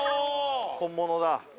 「本物だ」